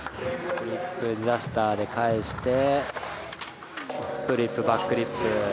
フリップディザスターで返してフリップバックリップ。